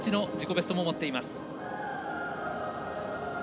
ベストも持っています。